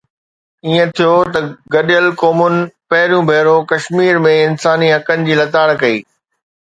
ائين ٿيو ته گڏيل قومن پهريون ڀيرو ڪشمير ۾ انساني حقن جي لتاڙ ڪئي